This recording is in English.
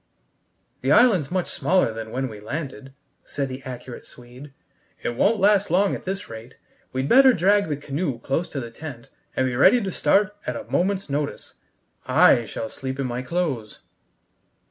"The island's much smaller than when we landed," said the accurate Swede. "It won't last long at this rate. We'd better drag the canoe close to the tent, and be ready to start at a moment's notice. I shall sleep in my clothes."